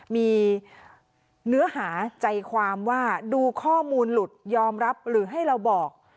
มีเนื้อหาใจความว่าดูข้อมูลหลุดยอมรับหรือให้เราบอก